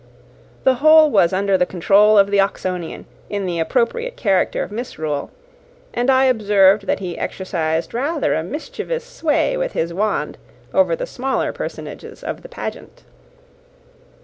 The whole was under the control of the Oxonian, in the appropriate character of Misrule; and I observed that he exercised rather a mischievous sway with his wand over the smaller personages of the pageant.